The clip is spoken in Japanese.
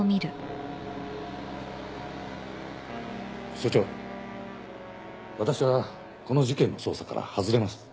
署長私はこの事件の捜査から外れます。